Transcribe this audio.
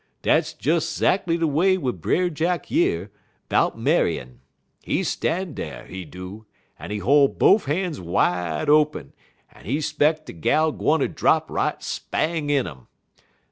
Dat des 'zackly de way wid Brer Jack yer, 'bout marryin'; he stan' dar, he do, en he hol' bofe han's wide open en he 'speck de gal gwine ter drap right spang in um.